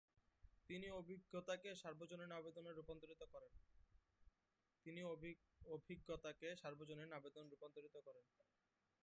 তিনি অভিজ্ঞতাকে সার্বজনীন আবেদনে রূপান্তরিত করেন।